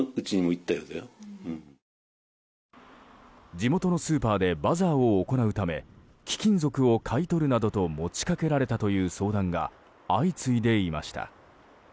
地元のスーパーでバザーを行うため貴金属を買い取るなどと持ちかけられたという相談が相次いでいました。